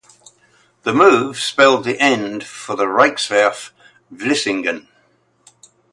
This move spelled the end for the Rijkswerf Vlissingen.